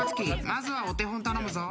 まずはお手本頼むぞ］